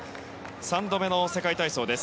３度目の世界体操です。